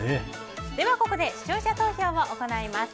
ではここで視聴者投票を行います。